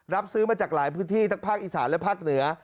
รับซื้อมาจากหลายพื้นที่ทั้งภาคอีสานและภาคเหนือ